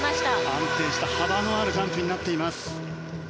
安定した華のあるジャンプになっています。